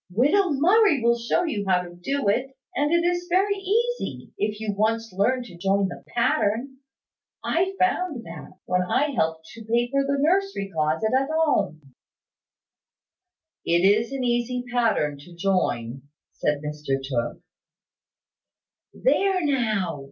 Widow Murray will show you how to do it; and it is very easy, if you once learn to join the pattern. I found that, when I helped to paper the nursery closet at home." "It is an easy pattern to join," said Mr Tooke. "There now!